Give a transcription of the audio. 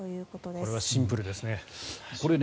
これはシンプルですね。